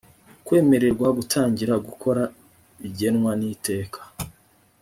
kwemererwa gutangira gukora bigenwa n iteka